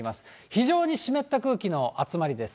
非常に湿った空気の集まりです。